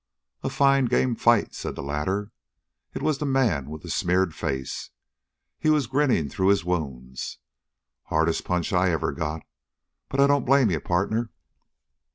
"A fine, game fight!" said the latter. It was the man with the smeared face. He was grinning through his wounds. "Hardest punch I ever got. But I don't blame you, partner!"